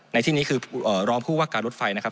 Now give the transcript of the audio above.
ในที่นี้คือรองผู้ว่าการรถไฟนะครับ